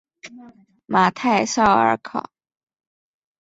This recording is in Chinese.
马泰绍尔考。